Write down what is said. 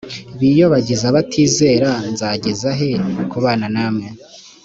biyobagiza batizera nzageza he kubana namwe